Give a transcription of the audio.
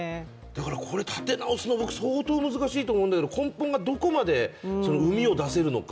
これ、立て直すの、僕、相当難しいと思うんだけど、根本がどこまで、うみを出せるのか。